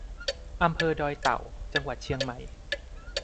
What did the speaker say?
อำเภอดอยเต่า จังหวัดเชียงใหม่